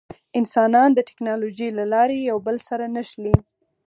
انسانان د ټکنالوجۍ له لارې یو بل سره نښلي.